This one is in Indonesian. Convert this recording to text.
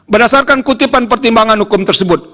berdasarkan kutipan pertimbangan hukum tersebut